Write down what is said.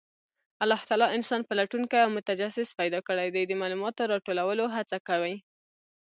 الله تعالی انسان پلټونکی او متجسس پیدا کړی دی، د معلوماتو راټولولو هڅه کوي.